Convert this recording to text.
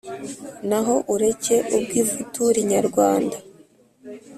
Naho ureke ubw'ivutu rinyarwanda!